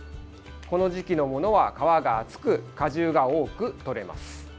この時期のものは皮が厚く果汁が多く取れます。